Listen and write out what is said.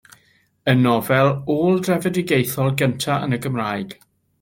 Y nofel ôl-drefedigaethol gynta' yn y Gymraeg.